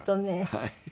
はい。